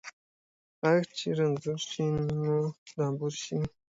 غاښ چې رنځور شي ، نور د انبور شي